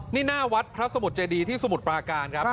นี่หน้าวัดพระสมุทรเจดีที่สมุทรปราการครับ